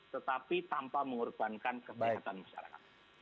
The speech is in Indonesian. tetapi tanpa mengorbankan kesehatan masyarakat